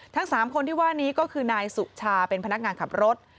ทั้ง๓คนที่ว่านี้ก็คือนายสุชาเป็นพนักงานขับรถ